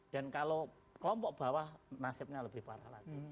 kalau kelompok bawah nasibnya lebih parah lagi